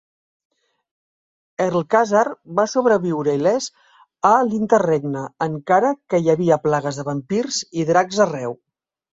Erlkazar va sobreviure il·lès a l'Interregne, encara que hi havia plagues de vampirs i dracs arreu.